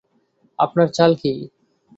আপনার চাল কী?